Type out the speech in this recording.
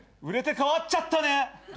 売れて変わっちゃったね！